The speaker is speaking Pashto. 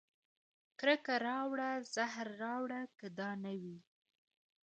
کرکه راوړه زهر راوړه که دا نه وي